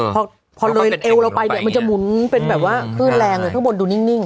พี่ม้าเออพอพอเลยเอวเราไปเนี้ยมันจะหมุนเป็นแบบว่าคือแรงเลยทั้งบนดูนิ่งนิ่ง